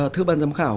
thưa ban giám khảo